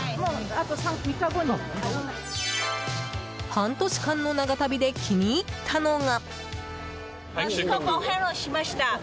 半年間の長旅で気に入ったのが。